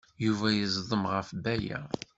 Yuba yeẓdem ɣef Baya.